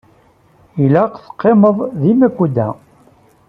Ilaq teqqimeḍ di Makuda.